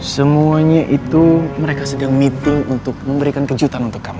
semuanya itu mereka sedang meeting untuk memberikan kejutan untuk kami